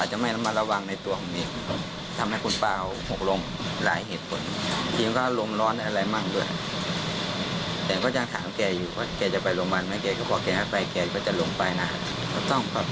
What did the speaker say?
เหตุการณ์ครั้งนี้ถือว่าเป็นบทเรียนกับเราอย่างไรบ้างครับ